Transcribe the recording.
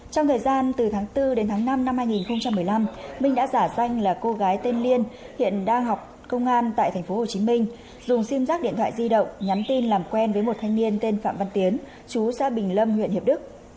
trong thời gian từ tháng bốn đến tháng năm năm hai nghìn một mươi năm minh đã giả danh là cô gái tên liên hiện đang học công an tại tp hcm dùng sim giác điện thoại di động nhắn tin làm quen với một thanh niên tên phạm văn tiến chú gia bình lâm huyện hiệp đức